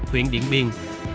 huyện điện biên